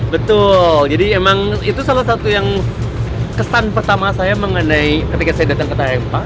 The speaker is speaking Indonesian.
betul jadi emang itu salah satu yang kesan pertama saya mengenai ketika saya datang ke taempa